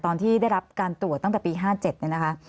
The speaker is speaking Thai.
ตอนที่ได้รับการตรวจตั้งแต่ปี๕๗เนี่ยนะคะ